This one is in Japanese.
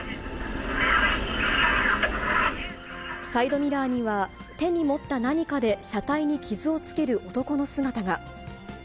サイドミラーには、手に持った何かで車体に傷をつける男の姿が。